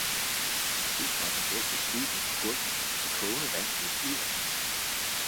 Tepotten lå besvimet på gulvet, det kogende vand løb ud af den.